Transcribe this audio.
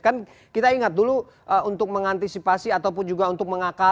kan kita ingat dulu untuk mengantisipasi ataupun juga untuk mengangkat